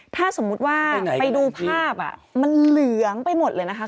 ถ้าสมมุติว่าไปดูภาพมันเหลืองไปหมดเลยนะคะ